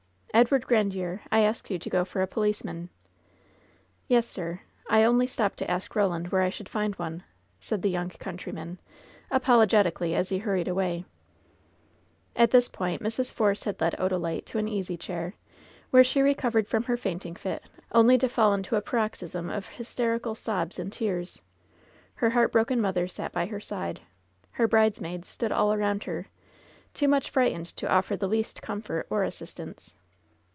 Edward Grandiere, I asked you to go for a policeman V^ "Yes, sir! I only stopped to ask Eoland where I should find one,'^ said the young countryman, apologetic ally, as he hurried away* At this point Mrs. Force had led Odalite to an easy chair, where she recovered from her fainting fit only to fall into a paroxysm of hysterical sobs and tears. Her heartbroken mother sat by her side. Her bridesmaids stood all around her, too much frightened to offer the least comfort or assistance.